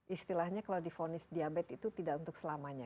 istilahnya kalau difonis diabetes itu tidak untuk selamanya